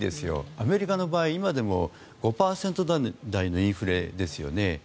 アメリカの場合、今でも５％台のインフレですよね。